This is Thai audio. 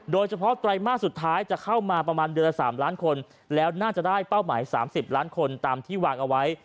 ไตรมาสสุดท้ายจะเข้ามาประมาณเดือนละ๓ล้านคนแล้วน่าจะได้เป้าหมาย๓๐ล้านคนตามที่วางเอาไว้